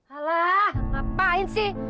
alah ngapain sih